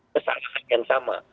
kesalahan yang sama